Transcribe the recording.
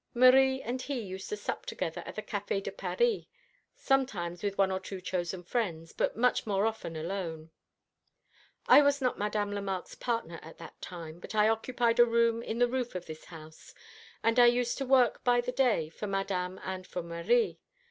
Marie and he used to sup together at the Café de Paris, sometimes with one or two chosen friends, but much more often alone. I was not Madame Lemarque's partner at that time; but I occupied a room in the roof of this house, and I used to work by the day for Madame and for Marie.